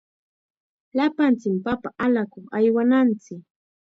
Llapanchikmi papa allakuq aywananchik.